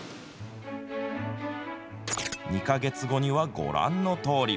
２か月後には、ご覧のとおり。